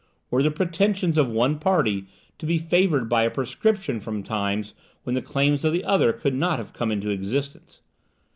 Were the pretensions of one party to be favoured by a prescription from times when the claims of the other could not have come into existence?